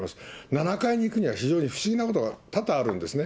７階に行くには非常に不思議なことが多々あるんですね。